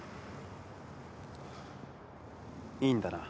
いいんだな？